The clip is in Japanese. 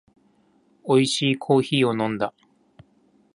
おいしいコーヒーを飲んだ